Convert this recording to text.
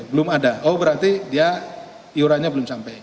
belum ada oh berarti dia iurannya belum sampai